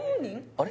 あれ？